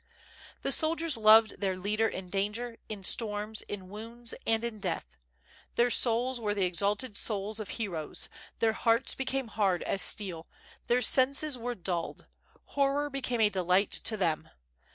The soldiers loved their leader in danger, in storms, in wounds, and in death. Their souls were the exalted souls of heroes, their hearts became hard as steel, their senses were dulled. Horror became a delight to them.